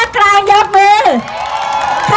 โอเคโอเคโอเคโอเค